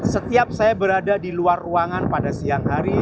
setiap saya berada di luar ruangan pada siang hari